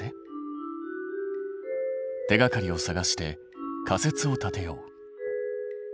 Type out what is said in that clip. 手がかりを探して仮説を立てよう。